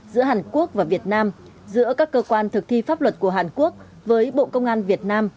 giữa hàn quốc và việt nam giữa các cơ quan thực thi pháp luật của hàn quốc với bộ công an việt nam